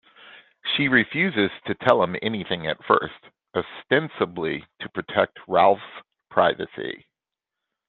She refuses to tell him anything at first, ostensibly to protect Ralph's privacy.